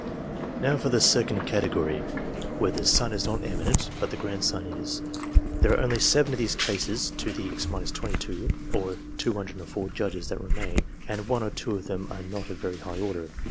Now for the second category, where the son is not emi nent, but the grandson is. There are only seven of these cases to the (226 22 or) 204 judges that remain, and one or two of them are not of a very high order.